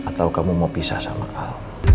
atau kamu mau pisah sama allah